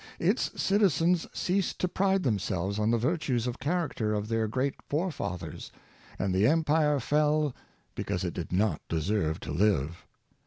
Its citizens ceased to pride themselves on the virtues of character of their great forefathers; and the empire fell because it did not deserve to live.